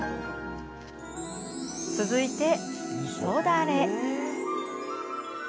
続いては、みそだれ。